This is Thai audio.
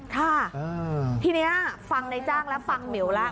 ค่ะทีนี้ฟังในจ้างแล้วฟังหมิวแล้ว